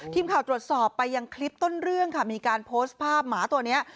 ทีมข่าวตรวจสอบไปยังคลิปต้นเรื่องค่ะมีการโพสต์ภาพหมาตัวนี้